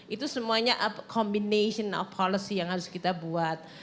itu semuanya combination of policy yang harus kita buat